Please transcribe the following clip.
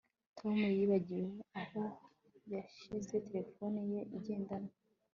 Tom yibagiwe aho yashyize terefone ye igendanwa